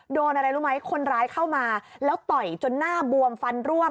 โดนอะไรรู้ไหมคนร้ายเข้ามาแล้วต่อยจนหน้าบวมฟันร่วง